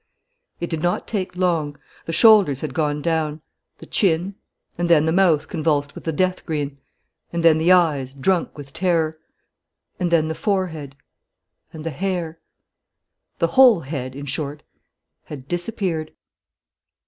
It did not take long. The shoulders had gone down; the chin; and then the mouth convulsed with the death grin; and then the eyes, drunk with terror; and then the forehead and the hair: the whole head, in short, had disappeared.